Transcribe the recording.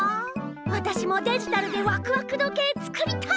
わたしもデジタルでわくわく時計作りたい！